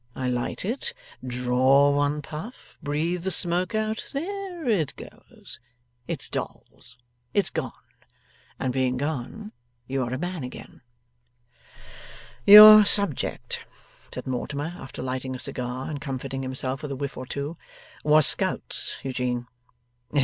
I light it draw one puff breathe the smoke out there it goes it's Dolls! it's gone and being gone you are a man again.' 'Your subject,' said Mortimer, after lighting a cigar, and comforting himself with a whiff or two, 'was scouts, Eugene.